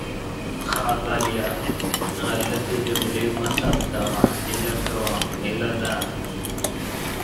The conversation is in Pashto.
ښاغلیه! غلطې جملې مه ثبتوه. هیله کوم هیله ده.